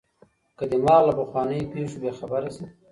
که دماغ له پخوانیو پېښو بې خبره سي